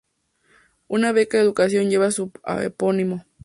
Una beca de educación lleva su epónimo.